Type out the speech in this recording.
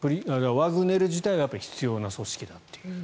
ワグネル自体は必要な組織だと。